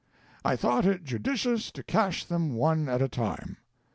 I thought it judicious to cash them one at a time.